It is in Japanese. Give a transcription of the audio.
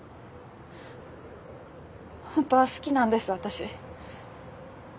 本当は好きなんです私。